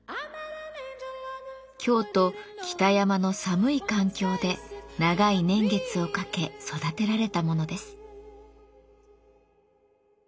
京都北山の寒い環境で長い年月をかけ育てられたものです。